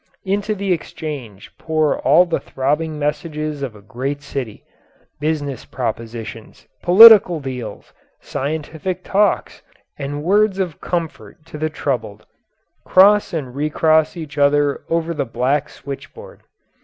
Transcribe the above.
Into the exchange pour all the throbbing messages of a great city. Business propositions, political deals, scientific talks, and words of comfort to the troubled, cross and recross each other over the black switchboard.